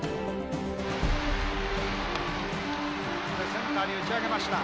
センターに打ち上げました。